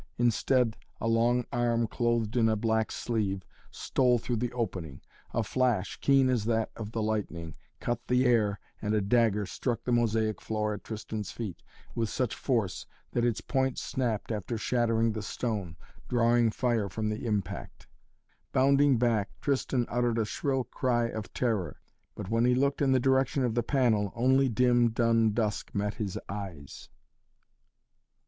Instead, a long arm, clothed in a black sleeve, stole through the opening. A flash, keen as that of the lightning, cut the air and a dagger struck the mosaic floor at Tristan's feet with such force that its point snapped after shattering the stone, drawing fire from the impact. Bounding back, Tristan uttered a shrill cry of terror, but when he looked in the direction of the panel only dim dun dusk met his eyes.